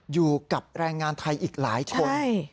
อยู่กับแรงงานไทยอีกหลายคน